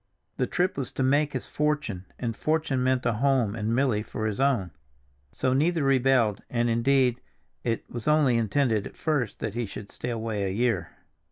The trip was to make his fortune, and fortune meant a home and Milly for his own; so neither rebelled, and, indeed, it was only intended at first that he should stay away a year.